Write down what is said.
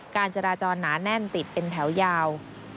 การจราจรหนาแน่นติดเป็นแถวยาว